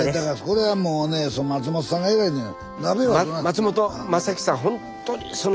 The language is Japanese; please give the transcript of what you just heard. これはもうね松本さんが偉いのよ。